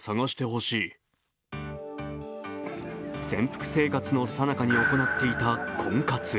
潜伏生活のさなかに行っていた婚活。